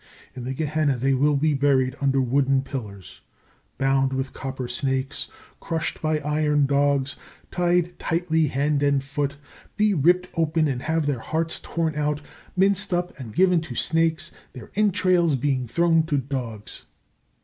In the Gehenna they will be buried under wooden pillars, bound with copper snakes, crushed by iron dogs, tied tightly hand and foot, be ripped open and have their hearts torn out, minced up and given to snakes, their entrails being thrown to dogs.